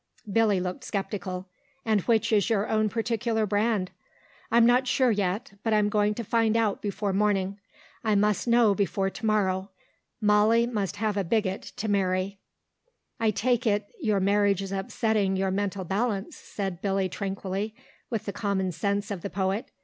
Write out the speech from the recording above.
Billy looked sceptical. "And which is your own particular brand?" "I'm not sure yet. But I'm going to find out before morning. I must know before to morrow. Molly must have a bigot to marry." "I take it your marriage is upsetting your mental balance," said Billy tranquilly, with the common sense of the poet.